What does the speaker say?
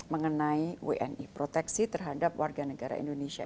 mengenai wni proteksi terhadap warga negara indonesia